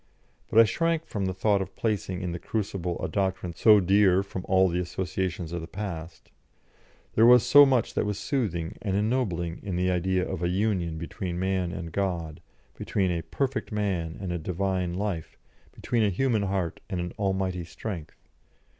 But I shrank from the thought of placing in the crucible a doctrine so dear from all the associations of the past; there was so much that was soothing and ennobling in the idea of a union between Man and God, between a perfect man and a Divine life, between a human heart and an almighty strength.